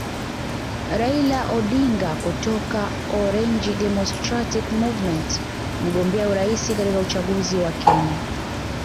Raila Odinga kutoka Orange Democratic Movement mgombea urais katika uchaguzi wa Kenya